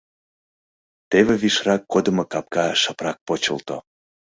Теве вишрак кодымо капка шыпрак почылто.